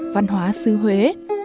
văn hóa xứ huế